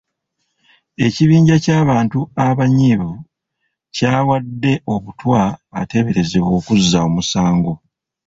Ekibinja ky'abantu abanyiivu kyawadde obutwa ateeberezebwa okuzza omusango.